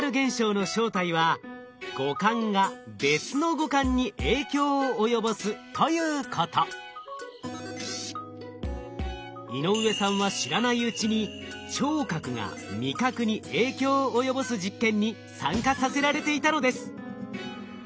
まさにその今日体験して頂きたかった井上さんは知らないうちに聴覚が味覚に影響を及ぼす実験に参加させられていたのです。